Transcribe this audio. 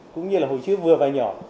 cũng như là hồ chứa vừa và nhỏ